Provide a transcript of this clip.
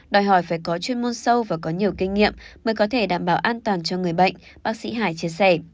đòi hỏi phải có chuyên môn sâu và có nhiều kinh nghiệm mới có thể đảm bảo an toàn cho người bệnh bác sĩ hải chia sẻ